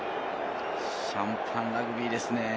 シャンパンラグビーですね。